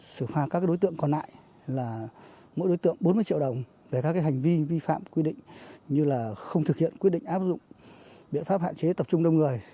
xử phạt các đối tượng còn lại là mỗi đối tượng bốn mươi triệu đồng về các hành vi vi phạm quy định như là không thực hiện quyết định áp dụng biện pháp hạn chế tập trung đông người